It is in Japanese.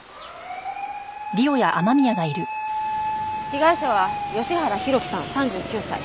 被害者は吉原弘樹さん３９歳。